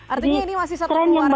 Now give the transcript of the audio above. artinya ini masih satu keluarga ya